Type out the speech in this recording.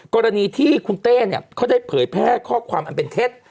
กรณีที่คุณเต้เนี่ยเขาได้เผยแพร่ข้อความอันเป็นเท็จ